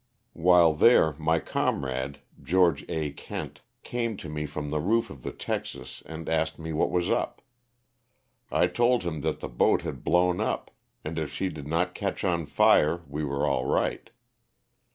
While there my com rade, George A. Kent, came to me from the roof of the texas and asked me what was up. I told him that the boat had blown up, and if she did not catch on fire we were all right.